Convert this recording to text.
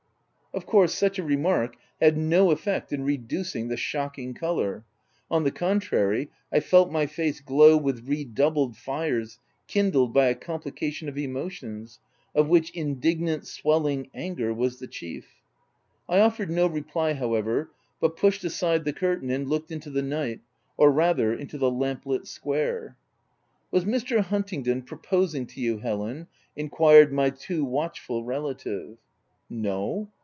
Of course, such a remark had no effect in reducing the u shocking colour ;" on the con trary, I felt my face glow with redoubled fires kindled by a complication of emotions, of which indignant, swelling anger was the chief. I of fered no reply, however, but pushed aside the curtain and looked into the night — or rather, into the lamp lit square. OF WILDFELL HALL. 307 "Was Mr. Huntingdon proposing to you, Helen?'' enquired my too watchful relative. " No."